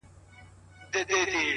دوه زړونه په سترگو کي راگير سوله _